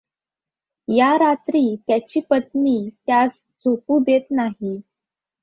या रात्री त्याची पत्नी त्यास झोपू देत नाही.